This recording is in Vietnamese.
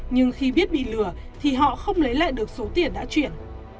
nhưng khi biết bị lừa thì họ không lấy lại được số tiền đã chuyển